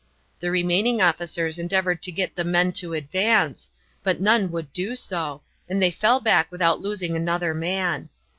The remaining officers endeavored to get the men to advance, but none would do so, and they fell back without losing another man.